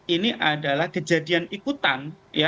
ini adalah kejadian ikutan